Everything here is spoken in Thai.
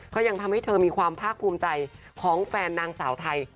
ก็ยังทำให้เธอมีความภาคภูมิใจของแฟนนางสาวไทย